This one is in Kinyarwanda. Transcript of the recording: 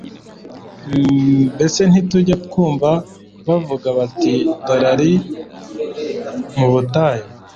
Mbese ntitujya twumva bavuga bati: "Dore ari mu butayu?"